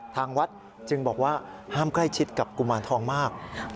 ทางวัดจึงบอกว่าห้ามใกล้ชิดกับกุมารทองมาก